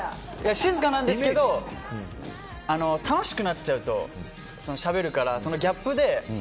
静かなんですけど楽しくなっちゃうとしゃべるからそのギャップで。